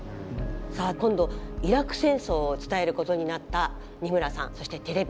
さあ今度イラク戦争を伝えることになった二村さんそしてテレビ。